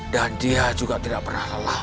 dan dia juga tidak pernah lelah